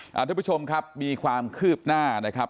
ท่านผู้ชมครับมีความคืบหน้านะครับ